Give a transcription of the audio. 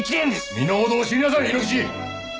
身の程を知りなさい亥ノ吉！